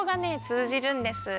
つうじるんです。